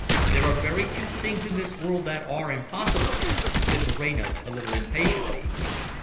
"There are very few things in this world that are impossible," said Moreno, a little impatiently.